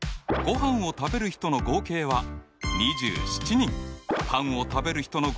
パンを食べる人の合計は２５人。